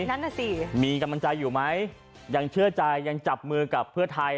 นั่นน่ะสิมีกำลังใจอยู่ไหมยังเชื่อใจยังจับมือกับเพื่อไทย